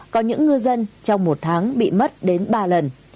có những ngư dân trong một tháng bị mất đến ba lần